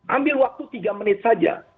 ambil waktu tiga menit saja